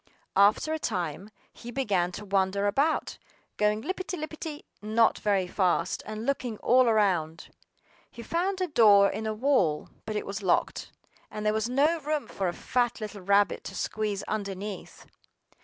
After a time he began to wander about, going lippity lippity not very fast, and looking all around. HE found a door in a wall; but it was locked, and there was no room for a fat little rabbit to squeeze underneath.